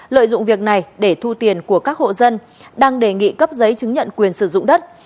lợi dụng việc này để thu tiền của các hộ dân đang đề nghị cấp giấy chứng nhận quyền sử dụng đất